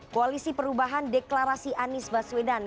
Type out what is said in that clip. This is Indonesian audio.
koalisi perubahan deklarasi anies baswedan